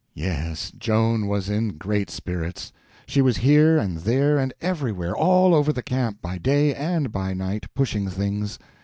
Yes, Joan was in great spirits. She was here and there and everywhere, all over the camp, by day and by night, pushing things.